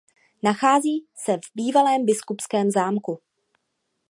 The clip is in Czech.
Nachází se v bývalém biskupském zámku.